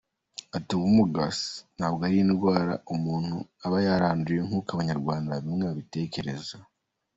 Ati “Ubumuga ntabwo ari indwara umuntu aba yaranduye nk’uko Abanyarwanda bamwe babitekereza.